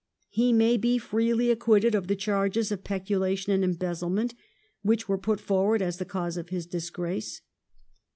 He may be freely acquitted of the charges of peculation and embezzlement which were put forward as the cause of his disgrace.